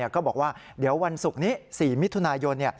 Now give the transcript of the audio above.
ก็บอกว่าเดี๋ยววันศุกร์นี้๔มิถุนายน